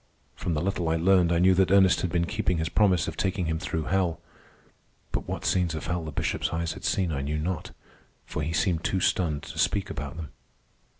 From the little I learned I knew that Ernest had been keeping his promise of taking him through hell. But what scenes of hell the Bishop's eyes had seen, I knew not, for he seemed too stunned to speak about them.